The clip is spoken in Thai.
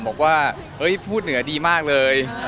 บอกว่าเฮ้ยพูดเหนือดีมากเลย